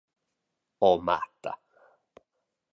Oh matta.